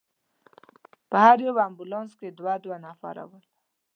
په هر یو امبولانس کې دوه دوه نفره ول.